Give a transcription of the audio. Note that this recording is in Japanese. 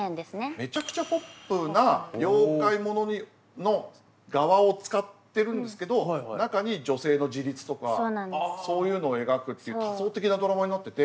めちゃくちゃポップな妖怪物のガワを使ってるんですけど中に女性の自立とかそういうのを描くっていう多層的なドラマになってて。